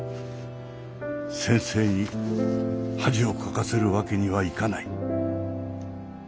先生に恥をかかせるわけにはいかない。